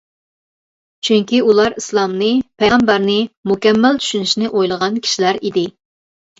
چۈنكى ئۇلار ئىسلامنى، پەيغەمبەرنى مۇكەممەل چۈشىنىشنى ئويلىغان كىشىلەر ئىدى.